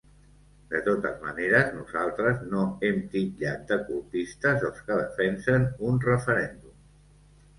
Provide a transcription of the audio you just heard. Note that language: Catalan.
De totes maneres nosaltres no hem titllat de colpistes els que defensen un referèndum.